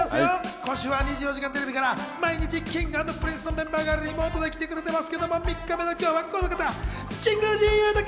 今週は『２４時間テレビ』から毎日Ｋｉｎｇ＆Ｐｒｉｎｃｅのメンバーがリモートで来てくれているんですけれども、３日目の今日は神宮寺勇太君。